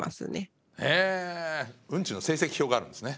へえうんちの成績表があるんですね。